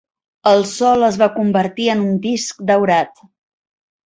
El sol es va convertir en un disc daurat.